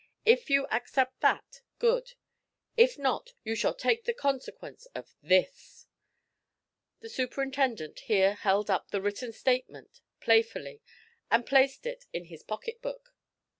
If you accept that, good; if not you shall take the consequences of this!" The superintendent here held up the written statement playfully, and placed it in his pocket book.